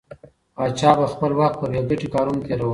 پاچا به خپل وخت په بې ګټې کارونو تېراوه.